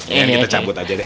biar kita cabut aja deh